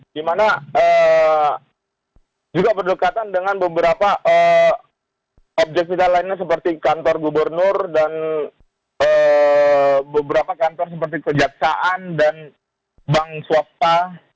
di mana juga berdekatan dengan beberapa objek vital lainnya seperti kantor gubernur dan beberapa kantor seperti kejaksaan dan bank swasta